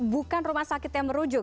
bukan rumah sakit yang merujuk